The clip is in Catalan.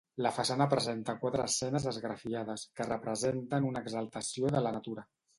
La façana presenta quatre escenes esgrafiades, que representen una exaltació de la natura.